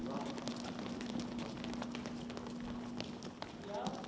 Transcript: สวัสดีครับทุกคน